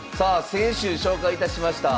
先週紹介いたしました